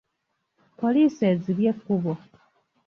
Poliisi ezibye ekkubo.